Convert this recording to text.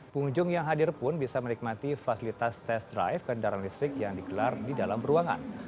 pengunjung yang hadir pun bisa menikmati fasilitas tes drive kendaraan listrik yang digelar di dalam ruangan